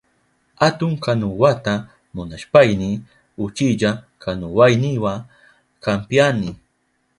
Atun kanuwata munashpayni uchilla kanuwayniwa kampyani.